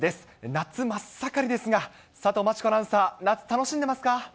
夏真っ盛りですが、佐藤真知子アナウンサー、夏、楽しんでますか。